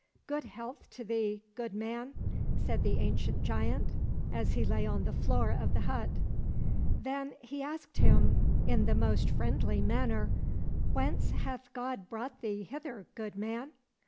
—" Good health to thee, good man !" said the ancient giant, as he lay on the floor of the hut. Then he asked him in the most friendly manner, " Whence hath God brought thee hither, good man